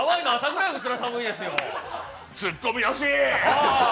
ツッコミよし！